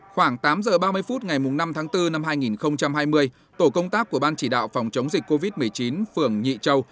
khoảng tám giờ ba mươi phút ngày năm tháng bốn năm hai nghìn hai mươi tổ công tác của ban chỉ đạo phòng chống dịch covid một mươi chín phường nhị châu